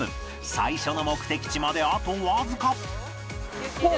最初の目的地まであとわずか